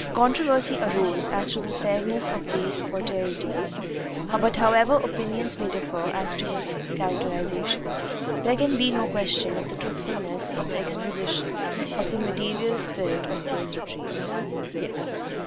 A controversy arose as to the fairness of these portraitures; but however opinions may differ as to his characterization, there can be no question of the truthfulness of the exposition of the mediaeval spirit of those retreats.